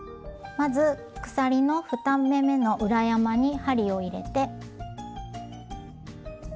まず鎖の２目めの裏山に針を入れて。